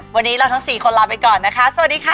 วันนี้เราทั้งสี่คนลาไปก่อนนะคะสวัสดีค่ะ